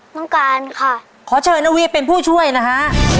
ต้องการค่ะขอเชิญนวีเป็นผู้ช่วยนะฮะ